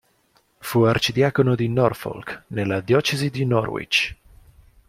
Fu arcidiacono di Norfolk, nella diocesi di Norwich.